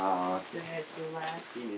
失礼します。